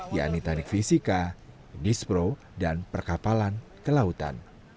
yaitu teknik fisika dispro dan perkapalan ke lautan